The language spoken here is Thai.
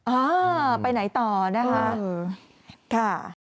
อ้าวไปไหนต่อนะฮะ